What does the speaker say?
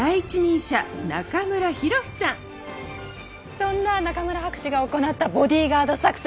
そんな中村博士が行ったボディーガード作戦